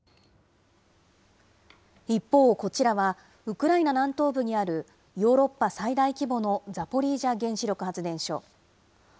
一方、こちらはウクライナ南東部にあるヨーロッパ最大規模のザポリージャ原子力発電所。